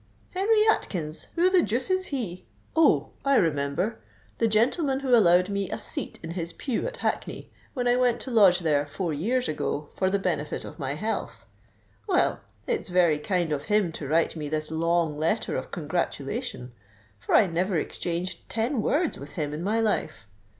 _ Henry Atkins—who the deuce is he? Oh! I remember—the gentleman who allowed me a seat in his pew at Hackney, when I went to lodge there four years ago for the benefit of my health. Well, it's very kind of him to write me this long letter of congratulation—for I never exchanged ten words with him in my life.